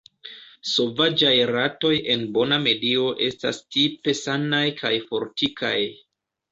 Sovaĝaj ratoj en bona medio estas tipe sanaj kaj fortikaj.